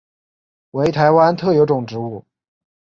为台湾特有种植物。